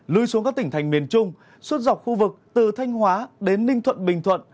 lui xuống các tỉnh thành miền trung suốt dọc khu vực từ thanh hóa đến ninh thuận bình thuận